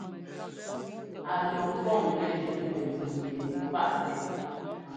Á lɔ ŋkɔ̂n nɛ́ jʉ́ntɛ́ mbʉ yɛ paʼtɛ.